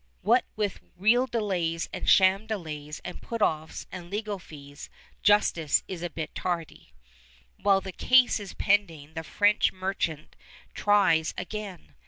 What with real delays and sham delays and put offs and legal fees, justice is a bit tardy. While the case is pending the French merchant tries again.